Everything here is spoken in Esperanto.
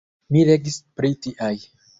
Mi legis pri tiaj.